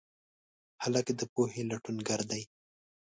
هلک د پوهې لټونګر دی.